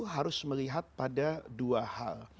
harus melihat pada dua hal